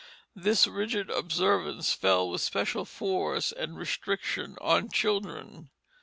This rigid observance fell with special force and restriction on children.